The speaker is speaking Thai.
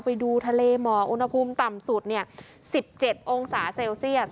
ไปดูทะเลหมอกอุณหภูมิต่ำสุด๑๗องศาเซลเซียส